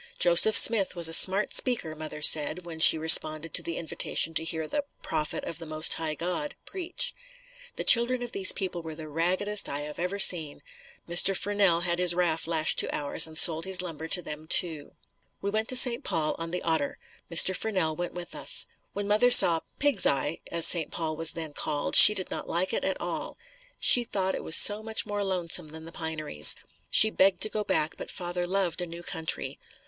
Joseph Smith was a smart speaker, mother said, when she responded to the invitation to hear the "Prophet of the Most High God" preach. The children of these people were the raggedest I have ever seen. Mr. Furnell had his raft lashed to ours and sold his lumber to them too. We went to St. Paul on the Otter. Mr. Furnell went with us. When mother saw "Pig's Eye" as St. Paul was then called, she did not like it at all. She thought it was so much more lonesome than the pineries. She begged to go back, but father loved a new country.